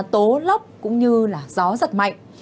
tố lóc cũng như là gió giật mạnh